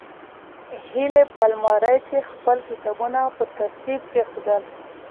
هیلې په المارۍ کې خپل کتابونه په ترتیب کېښودل.